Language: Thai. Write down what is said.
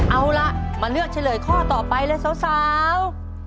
เอาล่ะมาเลือกเฉลยข้อต่อไปเลยสาว